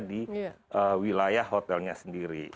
di wilayah hotelnya sendiri